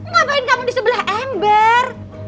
ngapain kamu di sebelah ember